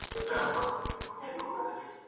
د مانجې جرګه په کوم ځای کي جوړه سوه؟